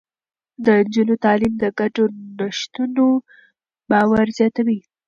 د نجونو تعليم د ګډو نوښتونو باور زياتوي.